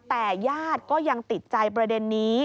แต่ญาติก็ยังติดใจประเด็นนี้